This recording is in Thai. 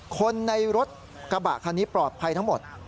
คนในรถกระบะคันนี้ปลอดภัยทั้งหมด